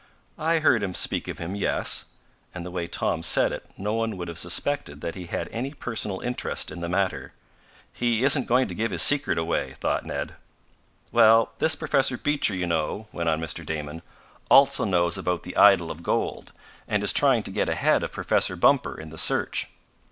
"I heard him speak of him yes," and the way Tom said it no one would have suspected that he had any personal interest in the matter. "He isn't going to give his secret away," thought Ned. "Well, this Professor Beecher, you know," went on Mr. Damon, "also knows about the idol of gold, and is trying to get ahead of Professor Bumper in the search."